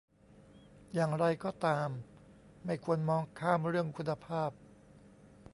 อย่างไรก็ตาม ไม่ควรมองข้ามเรื่องคุณภาพ